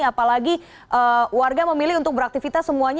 apalagi warga memilih untuk beraktivitas semuanya